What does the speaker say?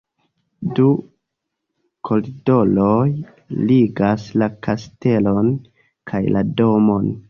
Du koridoroj ligas la kastelon kaj la domon.